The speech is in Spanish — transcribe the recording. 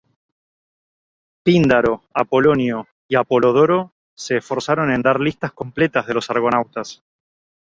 Píndaro, Apolonio y Apolodoro se esforzaron en dar listas completas de los Argonautas.